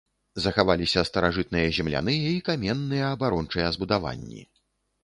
Захаваліся старажытныя земляныя і каменныя абарончыя збудаванні.